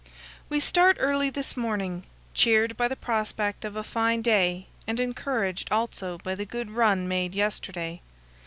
We start early this morning, cheered by the prospect of a fine day and encouraged also by the good run made yesterday.